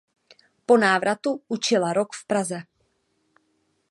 Po návratu učila rok v Praze.